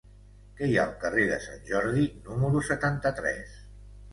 Què hi ha al carrer de Sant Jordi número setanta-tres?